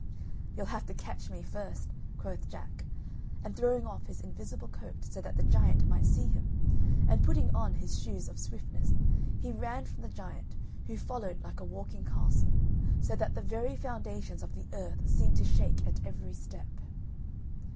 "You'll have to catch me first," quoth Jack, and throwing off his invisible coat, so that the giant might see him, and putting on his shoes of swiftness, he ran from the giant, who followed like a walking castle, so that the very foundations of the earth seemed to shake at every step.